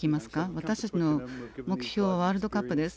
私たちの目標はワールドカップです。